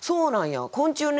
昆虫ね